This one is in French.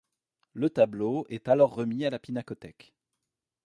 Le tableau est alors remis à la pinacothèque.